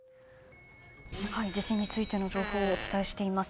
地震についての情報をお伝えしています。